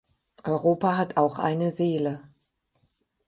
Europa hat auch eine Seele.